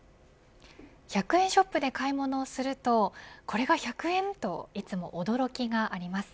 １００円ショップで買い物をするとこれが１００円、といつも驚きがあります。